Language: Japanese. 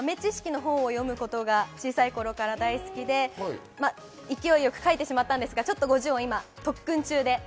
豆知識の本を読むことが小さい頃から大好きで、勢いよく書いてしまったんですが、ちょっと五十音を今、特訓中で。